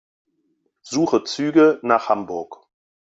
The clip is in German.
Suche Züge nach Hamburg.